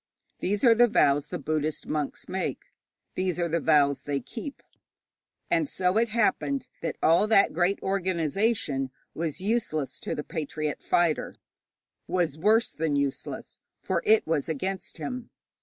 These are the vows the Buddhist monks make, these are the vows they keep; and so it happened that all that great organization was useless to the patriot fighter, was worse than useless, for it was against him.